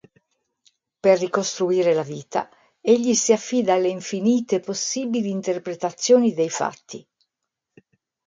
Per ricostruire la vita, egli si affida alle infinite, possibili interpretazioni dei fatti.